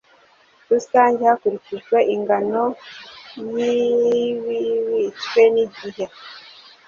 rusange hakurikijwe ingano y ibibitswe n igihe